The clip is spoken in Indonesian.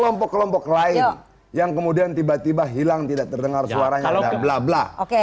jika kelompok lain yang kemudian tiba tiba hilang tidak terdengar suaranya blablabla oke